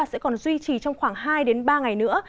sẽ còn duy trì trong khoảng hai ba ngày nữa